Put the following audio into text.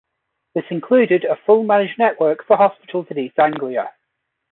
This included a full managed network for hospitals in East Anglia.